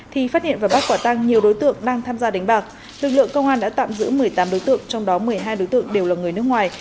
thì phát hiện và bắt quả tăng nhiều đối tượng đang tham gia đánh bạc lực lượng công an đã tạm giữ một mươi tám đối tượng trong đó một mươi hai đối tượng đều là người nước ngoài